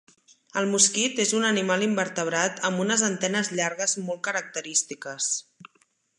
El mosquit és un animal invertebrat amb unes antenes llargues molt característiques.